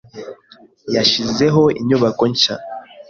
Yashizeho inyubako nshya.